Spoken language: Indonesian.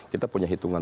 kita punya hitungan